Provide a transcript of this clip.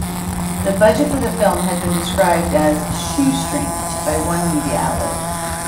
The budget for the film had been described as "shoestring" by one media outlet.